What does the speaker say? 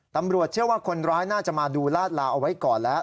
ตำรวจเชื่อว่าคนร้ายน่าจะมาดูลาดลาเอาไว้ก่อนแล้ว